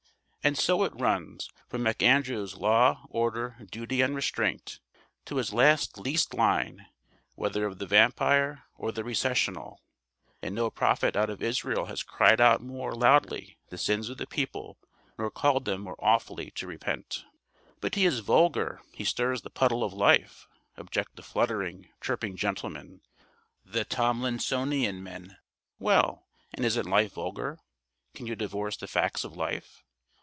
And so it runs, from McAndrew's Law, Order, Duty, and Restraint, to his last least line, whether of The Vampire or The Recessional. And no prophet out of Israel has cried out more loudly the sins of the people, nor called them more awfully to repent. "But he is vulgar, he stirs the puddle of life," object the fluttering, chirping gentlemen, the Tomlinsonian men. Well, and isn't life vulgar? Can you divorce the facts of life?